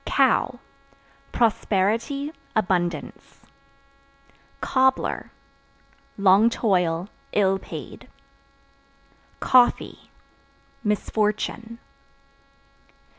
Cow Prosperity, abundance. Cobbler Long toil, ill paid. Coffee Misfortune.